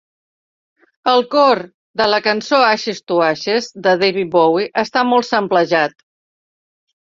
El cor de la cançó "Ashes to Ashes" de David Bowie està molt samplejat.